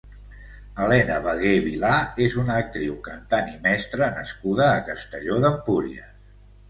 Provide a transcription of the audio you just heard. Helena Bagué Vilà és una actriu, cantant i mestra nascuda a Castelló d'Empúries.